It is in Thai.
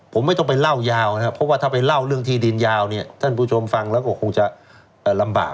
ผมไม่ต้องไปเล่ายาวนะครับเพราะว่าถ้าไปเล่าเรื่องที่ดินยาวเนี่ยท่านผู้ชมฟังแล้วก็คงจะลำบาก